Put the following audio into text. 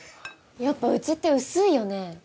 やっぱうちって薄いよね。